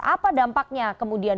apa dampaknya kemudian